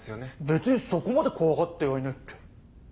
別にそこまで怖がってはいねえって。